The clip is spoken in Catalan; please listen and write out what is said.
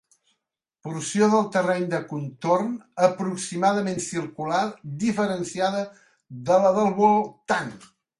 Porció de terreny de contorn aproximadament circular diferenciada de la del voltant.